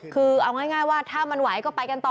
คือเอาง่ายว่าถ้ามันไหวก็ไปกันต่อ